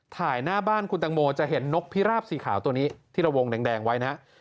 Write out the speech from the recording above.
หน้าบ้านคุณตังโมจะเห็นนกพิราบสีขาวตัวนี้ที่เราวงแดงไว้นะครับ